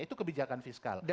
itu kebijakan fiskal